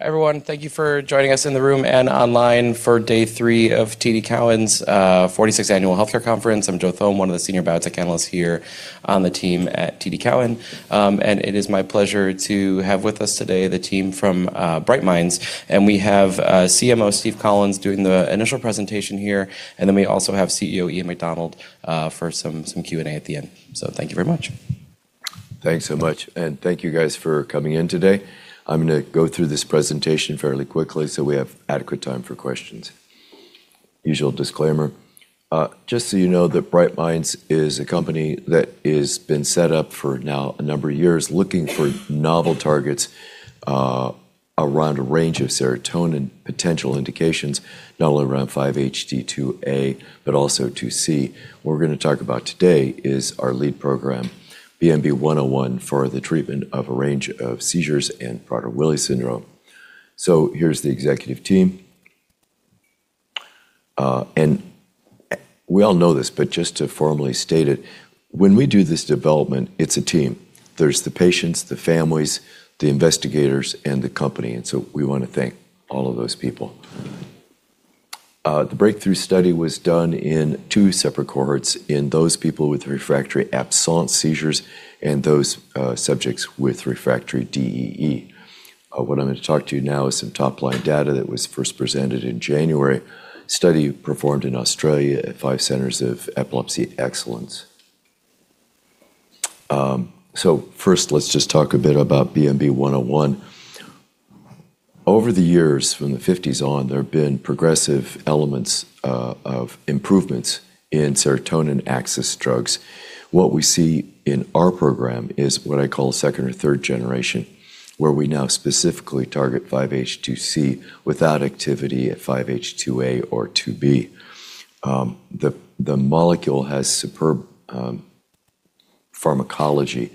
Everyone, thank you for joining us in the room and online for day three of TD Cowen's 46th Annual Healthcare Conference. I'm Joe Thome, one of the senior biotech analysts here on the team at TD Cowen. It is my pleasure to have with us today the team from Bright Minds. We have CMO Steve Collins doing the initial presentation here, and then we also have CEO Ian McDonald for some Q&A at the end. Thank you very much. Thanks so much. Thank you guys for coming in today. I'm gonna go through this presentation fairly quickly, so we have adequate time for questions. Usual disclaimer. Just so you know that Bright Minds is a company that is been set up for now a number of years looking for novel targets around a range of serotonin potential indications, not only around 5-HT2A but also 5-HT2C. What we're gonna talk about today is our lead program, BMB-101 for the treatment of a range of seizures and Prader-Willi syndrome. Here's the executive team. We all know this, but just to formally state it, when we do this development, it's a team. There's the patients, the families, the investigators, and the company. We wanna thank all of those people. The breakthrough study was done in two separate cohorts, in those people with refractory absence seizures and those subjects with refractory DEE. What I'm gonna talk to you now is some top-line data that was first presented in January. Study performed in Australia at five centers of epilepsy excellence. First, let's just talk a bit about BMB-101. Over the years from the 1950s on, there have been progressive elements of improvements in serotonin axis drugs. What we see in our program is what I call second or third generation, where we now specifically target 5-HT2C without activity at 5-HT2A or 5-HT2B. The molecule has superb pharmacology.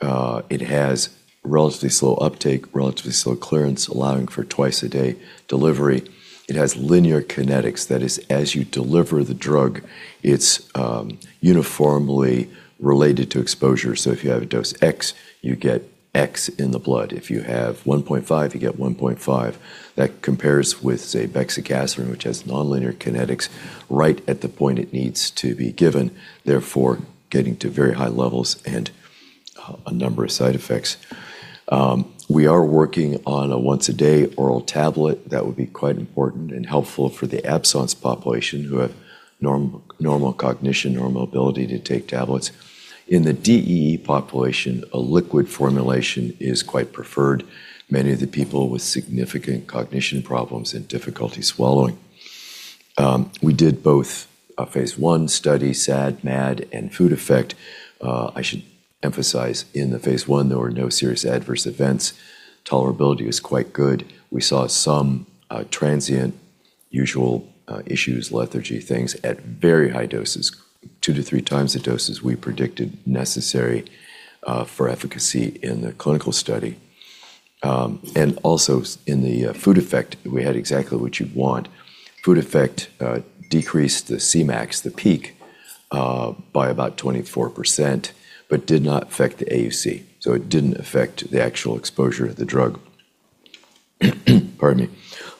It has relatively slow uptake, relatively slow clearance, allowing for twice-a-day delivery. It has linear kinetics, that is, as you deliver the drug, it's uniformly related to exposure. If you have a dose X, you get X in the blood. If you have 1.5, you get 1.5. That compares with, say, lorcaserin, which has nonlinear kinetics right at the point it needs to be given, therefore getting to very high levels and a number of side effects. We are working on a once-a-day oral tablet that would be quite important and helpful for the absence population who have normal cognition, normal ability to take tablets. In the DEE population, a liquid formulation is quite preferred. Many of the people with significant cognition problems and difficulty swallowing. We did both a phase I study, SAD, MAD, and food effect. I should emphasize in the phase I, there were no serious adverse events. Tolerability was quite good. We saw some transient usual issues, lethargy things at very high doses, two to three times the doses we predicted necessary for efficacy in the clinical study. In the food effect, we had exactly what you'd want. Food effect decreased the Cmax, the peak, by about 24%, but did not affect the AUC, so it didn't affect the actual exposure of the drug. Pardon me.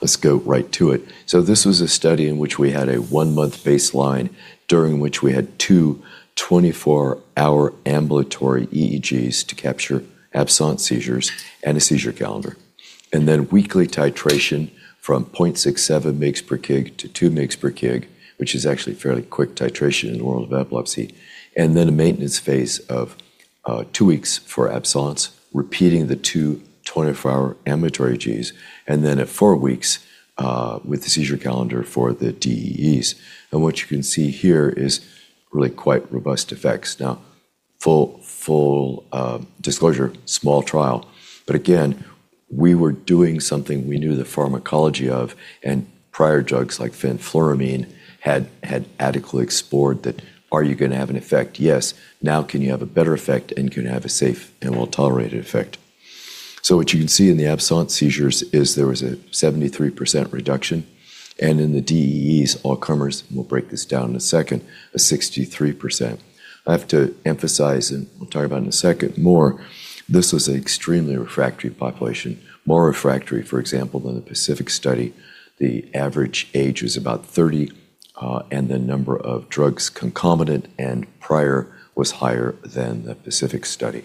Let's go right to it. This was a study in which we had a one-month baseline during which we had two 24-hour ambulatory EEGs to capture absence seizures and a seizure calendar. Weekly titration from 0.67 mg per kg to 2 mg per kg, which is actually fairly quick titration in the world of epilepsy, then a maintenance phase of two weeks for absence, repeating the two 24-hour ambulatory EEGs, then at four weeks with the seizure calendar for the DEEs. What you can see here is really quite robust effects. Full disclosure, small trial. Again, we were doing something we knew the pharmacology of, and prior drugs like fenfluramine had adequately explored that are you gonna have an effect? Yes. Can you have a better effect, and can you have a safe and well-tolerated effect? What you can see in the absence seizures is there was a 73% reduction, and in the DEEs, all comers, we'll break this down in a second, a 63%. I have to emphasize, and we'll talk about in a second more, this was an extremely refractory population, more refractory, for example, than the PACIFIC study. The average age was about 30, and the number of drugs concomitant and prior was higher than the PACIFIC study.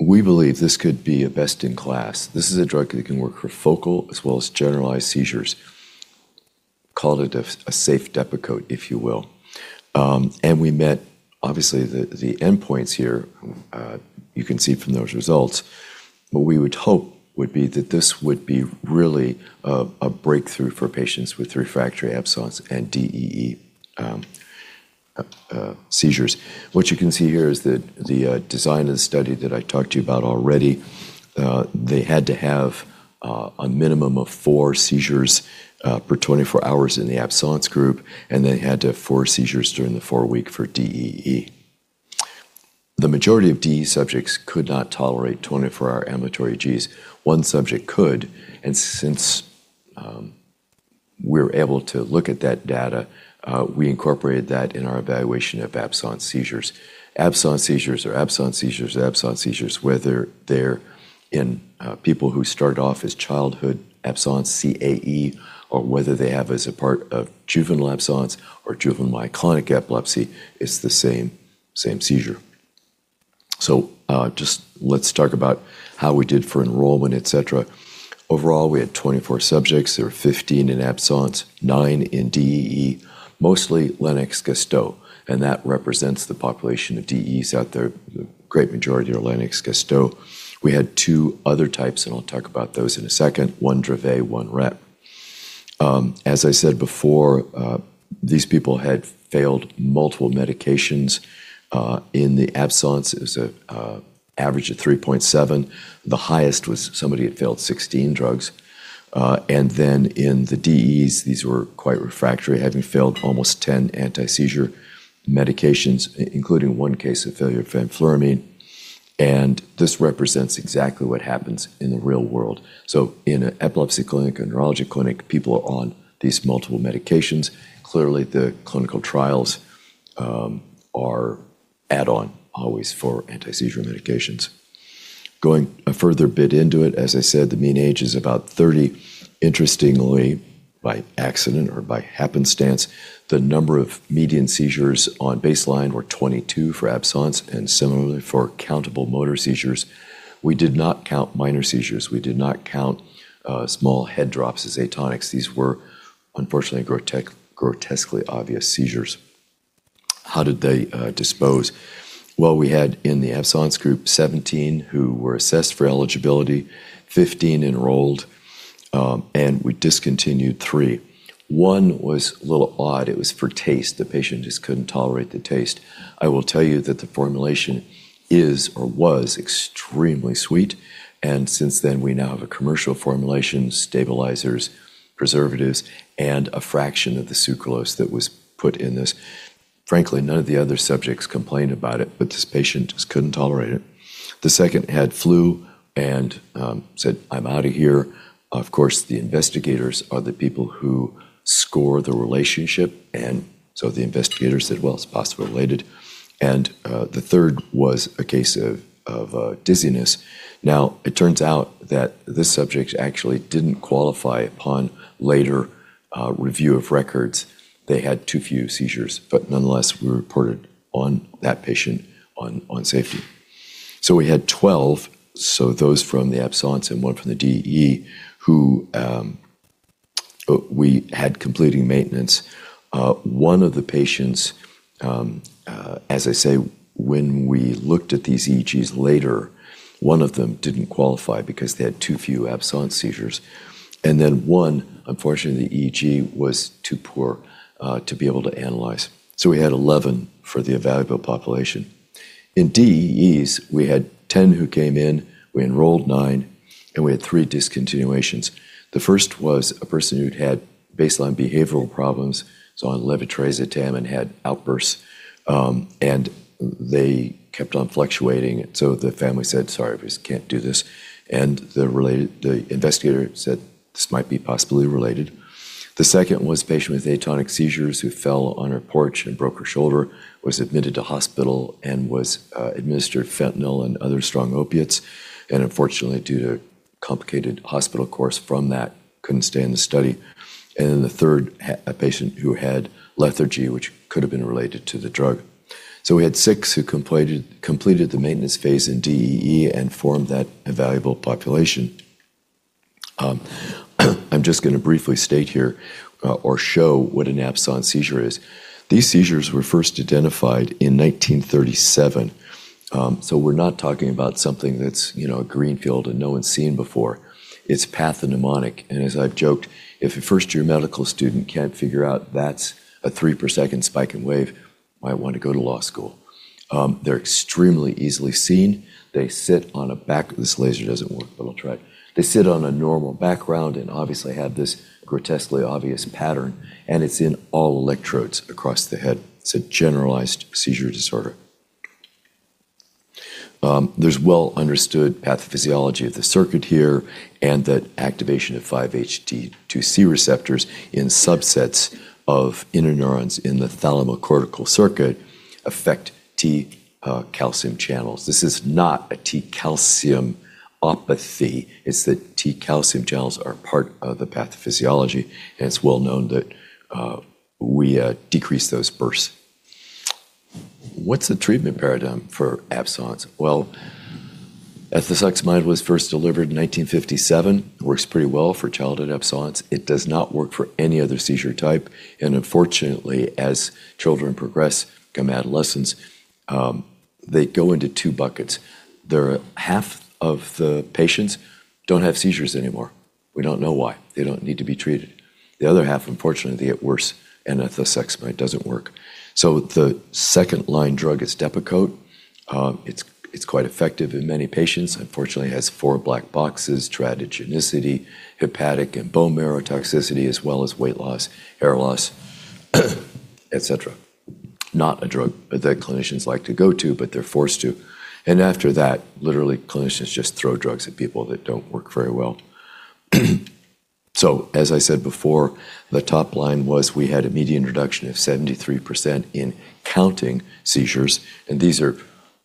We believe this could be a best in class. This is a drug that can work for focal as well as generalized seizures. Call it a safe Depakote, if you will. We met obviously the endpoints here, you can see from those results. What we would hope would be that this would be really a breakthrough for patients with refractory absence and DEE seizures. What you can see here is the design of the study that I talked to you about already. They had to have a minimum of four seizures per 24 hours in the absence group, and they had to have four seizures during the four-week for DEE. The majority of DEE subjects could not tolerate 24-hour ambulatory EEGs. One subject could, and since we're able to look at that data. We incorporated that in our evaluation of absence seizures. Absence seizures are absence seizures are absence seizures, whether they're in people who start off as childhood absence CAE, or whether they have as a part of juvenile absence or juvenile myoclonic epilepsy, it's the same seizure. Just let's talk about how we did for enrollment, etc. Overall, we had 24 subjects. There were 15 in absence, nine in DEE, mostly Lennox-Gastaut, and that represents the population of DEEs out there. The great majority are Lennox-Gastaut. We had two other types, and I'll talk about those in a second. One Dravet, one REP. As I said before, these people had failed multiple medications. In the absence, it was a average of 3.7. The highest was somebody had failed 16 drugs. And then in the DEEs, these were quite refractory, having failed almost 10 anti-seizure medications, including one case of failure of fenfluramine. This represents exactly what happens in the real world. In an epilepsy clinic, a neurology clinic, people are on these multiple medications. Clearly, the clinical trials are add-on always for anti-seizure medications. Going a further bit into it, as I said, the mean age is about 30. Interestingly, by accident or by happenstance, the number of median seizures on baseline were 22 for absence, and similarly for countable motor seizures. We did not count minor seizures. We did not count small head drops as atonics. These were unfortunately grotesquely obvious seizures. How did they dispose? Well, we had in the absence group, 17 who were assessed for eligibility, 15 enrolled, we discontinued three. One was a little odd. It was for taste. The patient just couldn't tolerate the taste. I will tell you that the formulation is or was extremely sweet, since then, we now have a commercial formulation, stabilizers, preservatives, and a fraction of the sucralose that was put in this. Frankly, none of the other subjects complained about it, but this patient just couldn't tolerate it. The second had flu and said, "I'm out of here." Of course, the investigators are the people who score the relationship. The investigator said, "Well, it's possibly related." The third was a case of dizziness. Now, it turns out that this subject actually didn't qualify upon later review of records. They had too few seizures, but nonetheless, we reported on that patient on safety. We had 12, so those from the absence and one from the DEE, who we had completing maintenance. One of the patients, as I say, when we looked at these EEGs later, one of them didn't qualify because they had too few absence seizures. Then one, unfortunately, the EEG was too poor to be able to analyze. We had 11 for the evaluable population. In DEEs, we had 10 who came in, we enrolled nine, and we had three discontinuations. The first was a person who'd had baseline behavioral problems, so on levetiracetam and had outbursts, and they kept on fluctuating. The family said, "Sorry, we just can't do this." The investigator said, "This might be possibly related." The second was a patient with atonic seizures who fell on her porch and broke her shoulder, was admitted to hospital, and was administered fentanyl and other strong opiates. Unfortunately, due to complicated hospital course from that, couldn't stay in the study. The third a patient who had lethargy, which could have been related to the drug. We had six who completed the maintenance phase in DEE and formed that evaluable population. I'm just gonna briefly state here or show what an absence seizure is. These seizures were first identified in 1937. We're not talking about something that's, you know, a greenfield and no one's seen before. It's pathognomonic. As I've joked, if a first-year medical student can't figure out that's a three-per-second spike in wave, might wanna go to law school. They're extremely easily seen. This laser doesn't work, but I'll try. They sit on a normal background and obviously have this grotesquely obvious pattern, and it's in all electrodes across the head. It's a generalized seizure disorder. There's well-understood pathophysiology of the circuit here and that activation of 5-HT2C receptors in subsets of interneurons in the thalamocortical circuit affect T calcium channels. This is not a T-calciumopathy. It's that T-calcium channels are part of the pathophysiology, and it's well known that we decrease those bursts. What's the treatment paradigm for absence? Well, ethosuximide was first delivered in 1957. Works pretty well for childhood absence. It does not work for any other seizure type. Unfortunately, as children progress, become adolescents, they go into two buckets. There are half of the patients don't have seizures anymore. We don't know why. They don't need to be treated. The other half, unfortunately, they get worse, and ethosuximide doesn't work. The second-line drug is Depakote. It's quite effective in many patients. Unfortunately, it has four black boxes, teratogenicity, hepatic and bone marrow toxicity, as well as weight loss, hair loss, etc. Not a drug that clinicians like to go to, but they're forced to. After that, literally clinicians just throw drugs at people that don't work very well. As I said before, the top line was we had a median reduction of 73% in counting seizures, and these are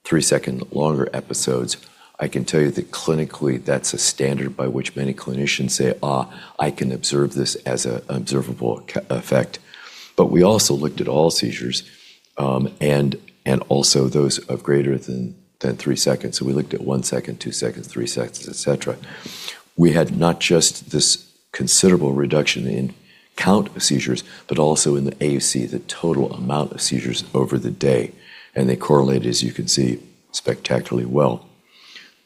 three-second longer episodes. I can tell you that clinically that's a standard by which many clinicians say, "I can observe this as a observable effect." We also looked at all seizures, and also those of greater than three seconds. We looked at one second, two seconds, three seconds, etc. We had not just this considerable reduction in count of seizures, but also in the AUC, the total amount of seizures over the day. They correlated, as you can see, spectacularly well.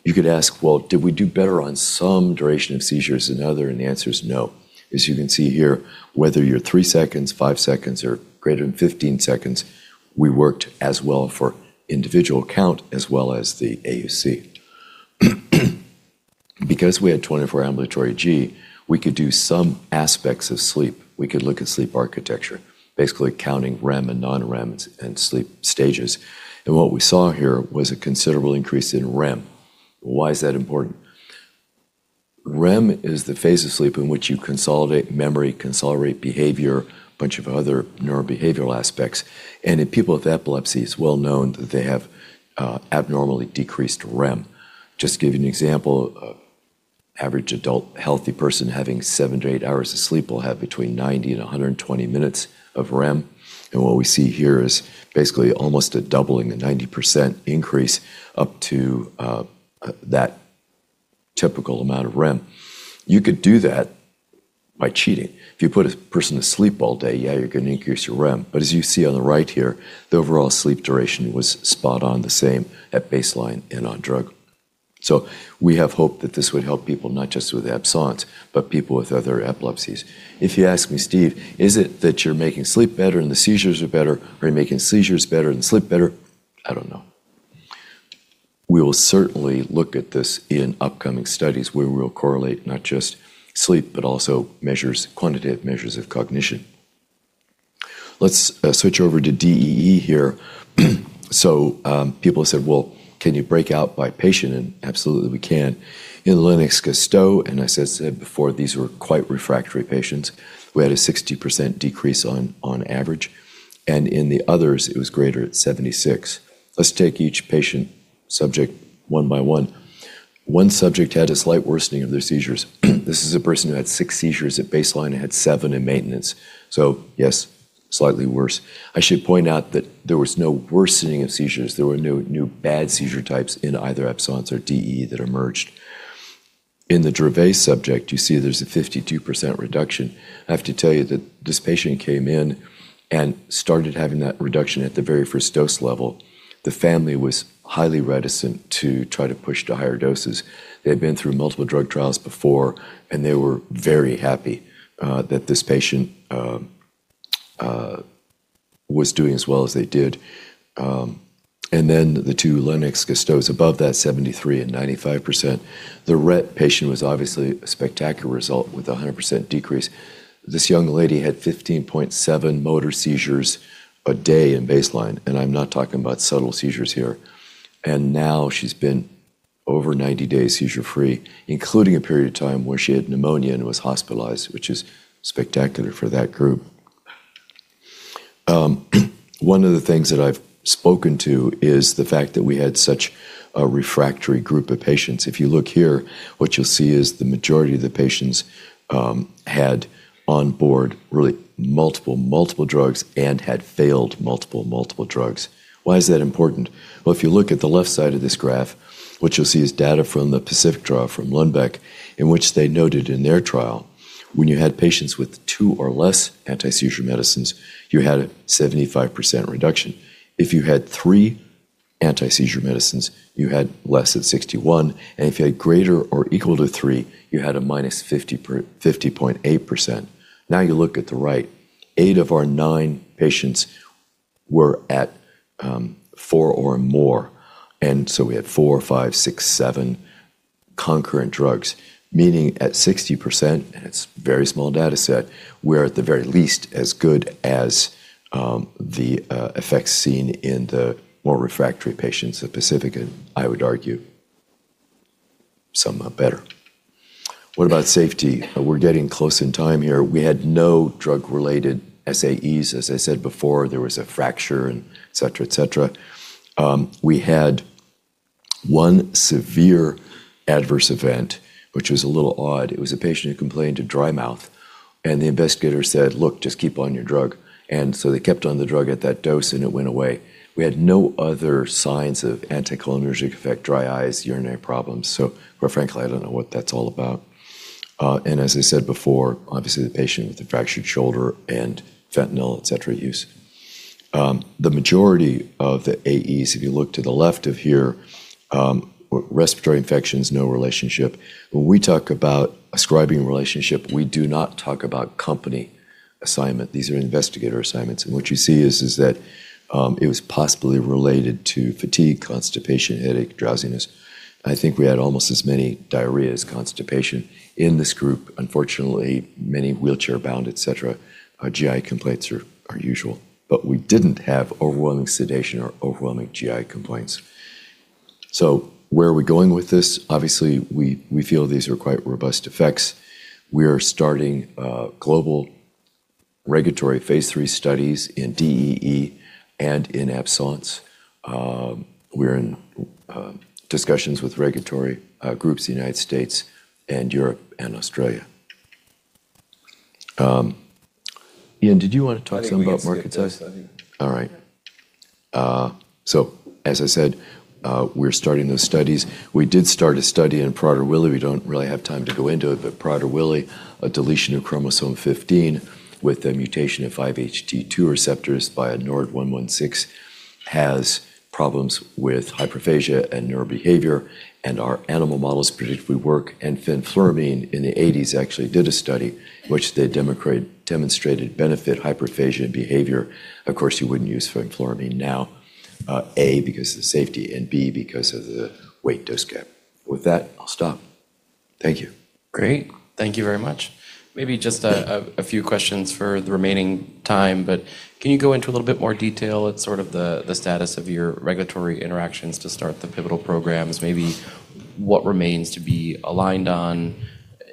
You could ask, "Well, did we do better on some duration of seizures than other?" The answer is no. As you can see here, whether you're three seconds, five seconds, or greater than 15 seconds, we worked as well for individual count as well as the AUC. Because we had 24 ambulatory EEG, we could do some aspects of sleep. We could look at sleep architecture, basically counting REM and non-REM and sleep stages. What we saw here was a considerable increase in REM. Why is that important? REM is the phase of sleep in which you consolidate memory, consolidate behavior, a bunch of other neurobehavioral aspects. In people with epilepsy, it's well known that they have abnormally decreased REM. Just to give you an example, a average adult healthy person having seven to eight hours of sleep will have between 90 and 120 minutes of REM. What we see here is basically almost a doubling, a 90% increase up to that typical amount of REM. You could do that by cheating. If you put a person to sleep all day, yeah, you're gonna increase your REM. As you see on the right here, the overall sleep duration was spot on the same at baseline and on drug. We have hoped that this would help people not just with absence, but people with other epilepsies. If you ask me, "Steve, is it that you're making sleep better and the seizures are better, or you're making seizures better and sleep better?" I don't know. We will certainly look at this in upcoming studies where we'll correlate not just sleep, but also measures, quantitative measures of cognition. Let's switch over to DEE here. People have said, "Well, can you break out by patient?" Absolutely we can. In Lennox-Gastaut, as I said before, these were quite refractory patients, we had a 60% decrease on average, and in the others it was greater at 76%. Let's take each patient subject one-by-one. One subject had a slight worsening of their seizures. This is a person who had six seizures at baseline and had seveb in maintenance. Yes, slightly worse. I should point out that there was no worsening of seizures. There were no new bad seizure types in either absence or DEE that emerged. In the Dravet subject, you see there's a 52% reduction. I have to tell you that this patient came in and started having that reduction at the very first dose level. The family was highly reticent to try to push to higher doses. They had been through multiple drug trials before, they were very happy that this patient was doing as well as they did. The two Lennox-Gastauts above that, 73% and 95%. The Rett patient was obviously a spectacular result with a 100% decrease. This young lady had 15.7 motor seizures a day in baseline, I'm not talking about subtle seizures here. Now she's been over 90 days seizure-free, including a period of time where she had pneumonia and was hospitalized, which is spectacular for that group. One of the things that I've spoken to is the fact that we had such a refractory group of patients. If you look here, what you'll see is the majority of the patients had on board really multiple drugs and had failed multiple drugs. Why is that important? Well, if you look at the left side of this graph, what you'll see is data from the PACIFIC trial from Lundbeck, in which they noted in their trial when you had patients with two or less anti-seizure medicines, you had a 75% reduction. If you had three anti-seizure medicines, you had less at 61%. If you had greater than or equal to three, you had a -50.8%. You look at the right. Eight of our nine patients were at four or more, and so we had four, five, six, seven concurrent drugs, meaning at 60%, and it's a very small data set, we're at the very least as good as the effects seen in the more refractory patients at PACIFIC, and I would argue some are better. What about safety? We're getting close in time here. We had no drug-related SAEs. As I said before, there was a fracture and et cetera, et cetera. We had one severe adverse event, which was a little odd. It was a patient who complained of dry mouth, and the investigator said, "Look, just keep on your drug." They kept on the drug at that dose, and it went away. We had no other signs of anticholinergic effect, dry eyes, urinary problems. Quite frankly, I don't know what that's all about. As I said before, obviously the patient with the fractured shoulder and fentanyl, etc, use. The majority of the AEs, if you look to the left of here, respiratory infections, no relationship. When we talk about ascribing relationship, we do not talk about company assignment. These are investigator assignments, and what you see is that, it was possibly related to fatigue, constipation, headache, drowsiness. I think we had almost as many diarrhea as constipation in this group. Unfortunately, many wheelchair-bound, etc., GI complaints are usual. We didn't have overwhelming sedation or overwhelming GI complaints. Where are we going with this? Obviously, we feel these are quite robust effects. We are starting global regulatory phase III studies in DEE and in absence. We're in discussions with regulatory groups, the United States and Europe and Australia. Ian, did you want to talk some about market size? I think we can skip that study. All right. As I said, we're starting those studies. We did start a study in Prader-Willi. We don't really have time to go into it, but Prader-Willi, a deletion of chromosome 15 with a mutation of 5-HT2 receptors by a NORD116 has problems with hyperphagia and neurobehavior, our animal models predict we work. Fenfluramine in the 1980s actually did a study which they demonstrated benefit hyperphagia behavior. Of course, you wouldn't use fenfluramine now, A, because of the safety, and B, because of the weight dose gap. With that, I'll stop. Thank you. Great. Thank you very much. Maybe just a few questions for the remaining time, but can you go into a little bit more detail at sort of the status of your regulatory interactions to start the pivotal programs, maybe what remains to be aligned on?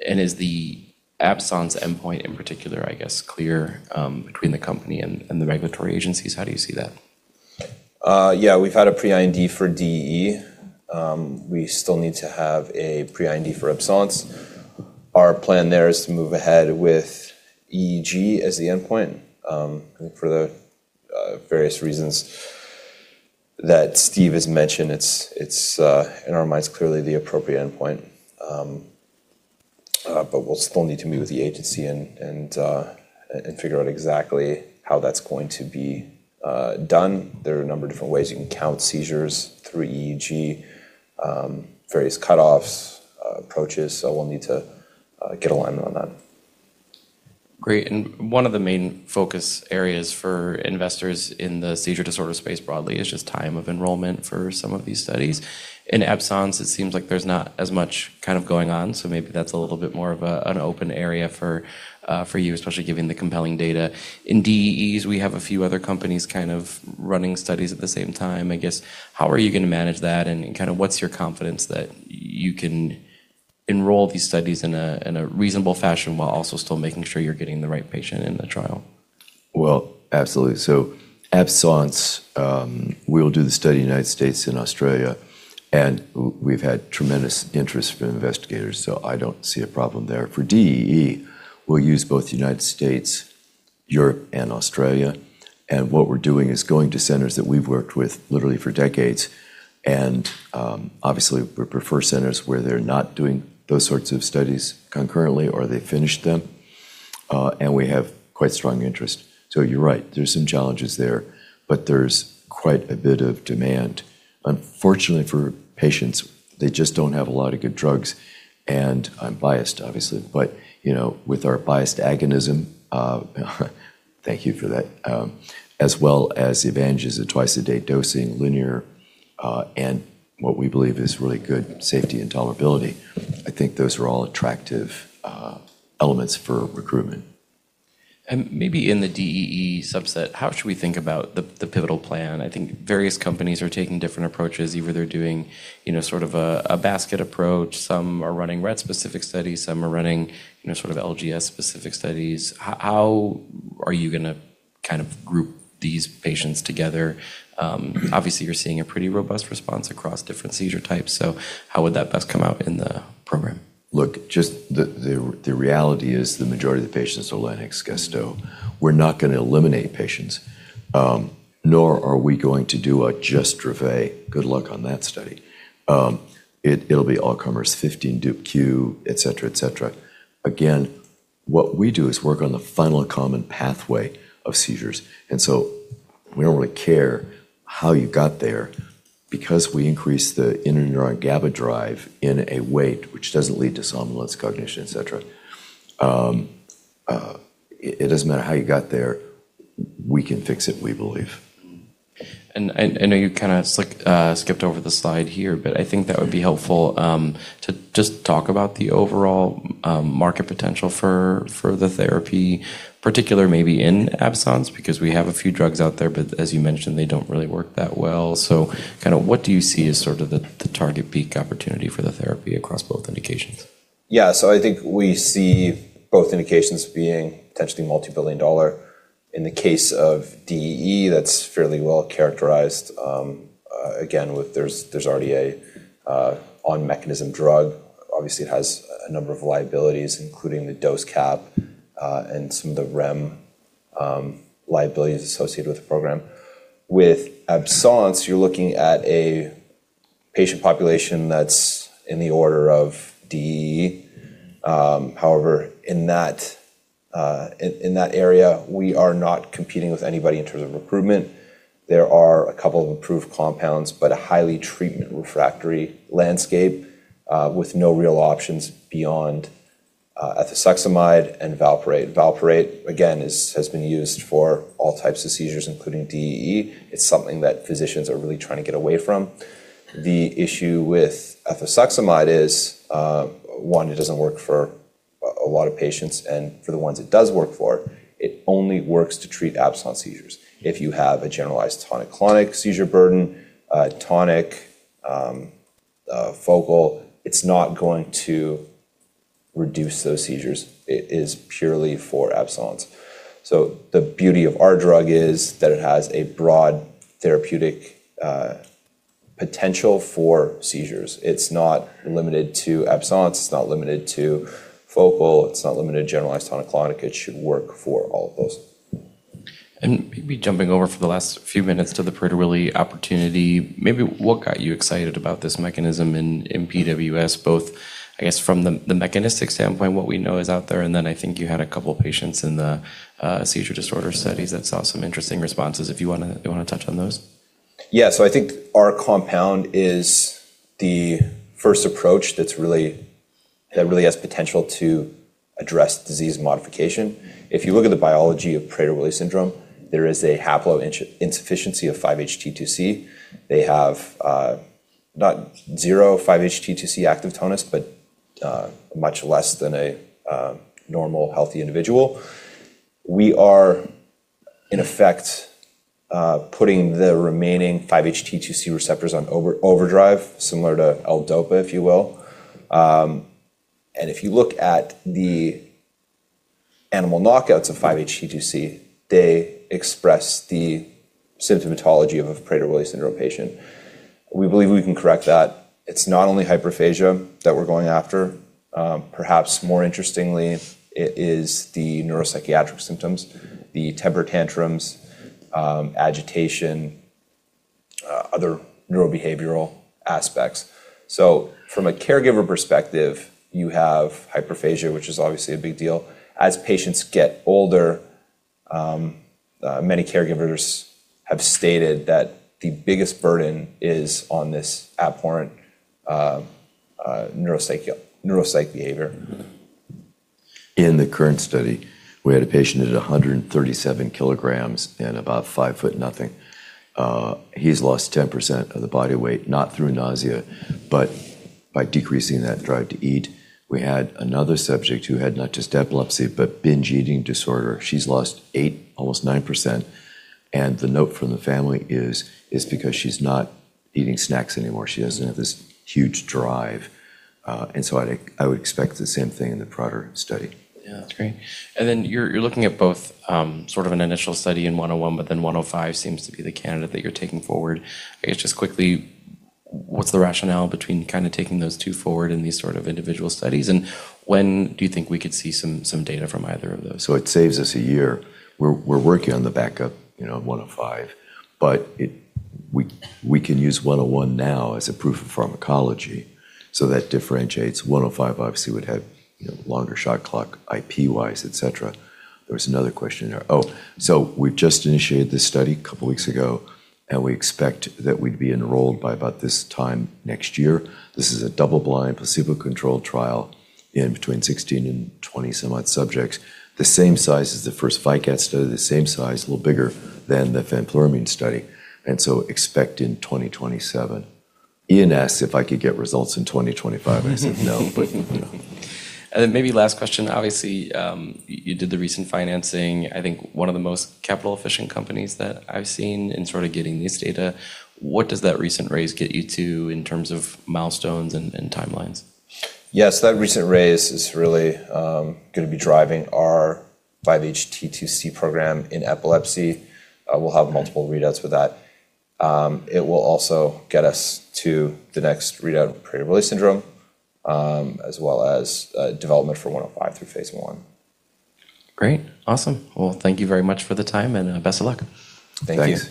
Is the absence endpoint in particular, I guess, clear between the company and the regulatory agencies? How do you see that? Yeah. We've had a pre-IND for DEE. We still need to have a pre-IND for absence. Our plan there is to move ahead with EEG as the endpoint for the various reasons that Steve has mentioned. It's, it's in our minds, clearly the appropriate endpoint. We'll still need to meet with the agency and figure out exactly how that's going to be done. There are a number of different ways you can count seizures through EEG, various cutoffs, approaches. We'll need to get alignment on that. Great. One of the main focus areas for investors in the seizure disorder space broadly is just time of enrollment for some of these studies. In absence, it seems like there's not as much kinda going on, so maybe that's a little bit more of an open area for you, especially given the compelling data. In DEEs, we have a few other companies kinda running studies at the same time. I guess, how are you gonna manage that and kinda what's your confidence that you can enroll these studies in a reasonable fashion while also still making sure you're getting the right patient in the trial? Well, absolutely. Absence, we'll do the study United States and Australia, and we've had tremendous interest from investigators, so I don't see a problem there. For DEE, we'll use both the United States, Europe, and Australia. What we're doing is going to centers that we've worked with literally for decades, and, obviously, we prefer centers where they're not doing those sorts of studies concurrently or they finished them, and we have quite strong interest. You're right. There's some challenges there, but there's quite a bit of demand. Unfortunately for patients, they just don't have a lot of good drugs, and I'm biased obviously. You know, with our biased agonism, thank you for that, as well as the advantages of twice a day dosing, linear, and what we believe is really good safety and tolerability, I think those are all attractive elements for recruitment. Maybe in the DEE subset, how should we think about the pivotal plan? I think various companies are taking different approaches. Either they're doing, you know, sort of a basket approach. Some are running Rett specific studies. Some are running, you know, sort of LGS specific studies. How are you gonna kind of group these patients together? Obviously, you're seeing a pretty robust response across different seizure types, so how would that best come out in the program? Look, just the reality is the majority of the patients are Lennox-Gastaut. We're not gonna eliminate patients, nor are we going to do a just Dravet. Good luck on that study. It'll be all comers, Dup15q, etc., etc. Again, what we do is work on the final common pathway of seizures. We don't really care how you got there because we increase the interneuron GABA drive in a weight which doesn't lead to somnolence cognition, etc. It doesn't matter how you got there, we can fix it, we believe. I know you kinda skipped over the slide here, but I think that would be helpful, to just talk about the overall, market potential for the therapy, particular maybe in absence, because we have a few drugs out there, but as you mentioned, they don't really work that well. Kinda what do you see as sort of the target peak opportunity for the therapy across both indications? I think we see both indications being potentially multi-billion dollar. In the case of DEE, that's fairly well characterized, again, with there's already a on mechanism drug. Obviously, it has a number of liabilities, including the dose cap, and some of the REM liabilities associated with the program. With absence, you're looking at a patient population that's in the order of DEE. However, in that area, we are not competing with anybody in terms of recruitment. There are a couple of approved compounds, but a highly treatment refractory landscape, with no real options beyond ethosuximide and valproate. Valproate, again, has been used for all types of seizures, including DEE. It's something that physicians are really trying to get away from. The issue with ethosuximide is, 1, it doesn't work for a lot of patients, and for the ones it does work for, it only works to treat absence seizures. If you have a generalized tonic-clonic seizure burden, tonic, focal, it's not going to reduce those seizures. It is purely for absence. The beauty of our drug is that it has a broad therapeutic potential for seizures. It's not limited to absence, it's not limited to focal, it's not limited to generalized tonic-clonic. It should work for all of those. Maybe jumping over for the last few minutes to the Prader-Willi opportunity, maybe what got you excited about this mechanism in PWS, both, I guess, from the mechanistic standpoint, what we know is out there, and then I think you had a couple patients in the seizure disorder studies that saw some interesting responses, if you wanna touch on those. Yeah. I think our compound is the first approach that really has potential to address disease modification. If you look at the biology of Prader-Willi syndrome, there is a haploinsufficiency of 5-HT2C. They have not zero 5-HT2C active tonus, but much less than a normal, healthy individual. We are, in effect, putting the remaining 5-HT2C receptors on overdrive, similar to L-DOPA, if you will. If you look at the animal knockouts of 5-HT2C, they express the symptomatology of a Prader-Willi syndrome patient. We believe we can correct that. It's not only hyperphagia that we're going after. Perhaps more interestingly, it is the neuropsychiatric symptoms, the temper tantrums, agitation, other neurobehavioral aspects. From a caregiver perspective, you have hyperphagia, which is obviously a big deal. As patients get older, many caregivers have stated that the biggest burden is on this abhorrent neuropsych behavior. In the current study, we had a patient at 137 kg and about 5 ft nothing. He's lost 10% of the body weight, not through nausea, but by decreasing that drive to eat. We had another subject who had not just epilepsy, but binge eating disorder. She's lost 8%, almost 9%, and the note from the family is, it's because she's not eating snacks anymore. She doesn't have this huge drive. I would expect the same thing in the Prader study. Yeah. That's great. You're, you're looking at both, sort of an initial study in BMB-101, but then BMB-105 seems to be the candidate that you're taking forward. I guess just quickly, what's the rationale between kinda taking those two forward in these sort of individual studies, and when do you think we could see some data from either of those? It saves us a year. We're working on the backup, you know, BMB-105, we can use BMB-101 now as a proof of pharmacology. That differentiates. BMB-105, obviously, would have, you know, longer shot clock IP-wise, etc. There was another question there. We've just initiated this study a couple weeks ago, and we expect that we'd be enrolled by about this time next year. This is a double-blind, placebo-controlled trial in between 16 and 20 some odd subjects. The same size as the first FICA study, the same size, a little bigger than the fenfluramine study, expect in 2027. Ian asked if I could get results in 2025, I said no, but, you know. Maybe last question, obviously, you did the recent financing. I think one of the most capital-efficient companies that I've seen in sort of getting these data. What does that recent raise get you to in terms of milestones and timelines? Yeah. That recent raise is really gonna be driving our 5-HT2C program in epilepsy. We'll have multiple readouts for that. It will also get us to the next readout of Prader-Willi syndrome, as well as development for 105 through phase I. Great. Awesome. Well, thank you very much for the time, and, best of luck. Thank you.